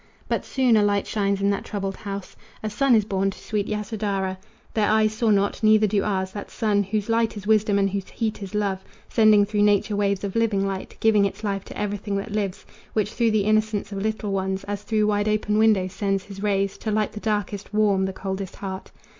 But soon a light shines in that troubled house A son is born to sweet Yasodhara. Their eyes saw not, neither do ours, that sun Whose light is wisdom and whose heat is love, Sending through nature waves of living light, Giving its life to everything that lives, Which through the innocence of little ones As through wide open windows sends his rays To light the darkest, warm the coldest heart.